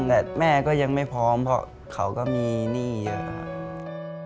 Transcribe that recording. แต่แม่ก็ยังไม่พร้อมเพราะเขาก็มีหนี้เยอะครับ